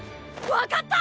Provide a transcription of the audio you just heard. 分かった！